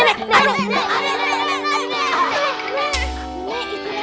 nenek ikutan dulu